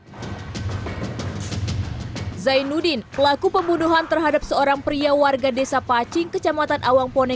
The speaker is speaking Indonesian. hai zainuddin pelaku pembunuhan terhadap seorang pria warga desa pacing kecamatan awangpone